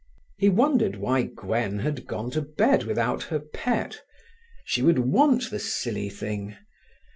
He wondered why Gwen had gone to bed without her pet. She would want the silly thing.